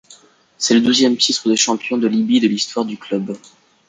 C'est le douzième titre de champion de Libye de l'histoire du club.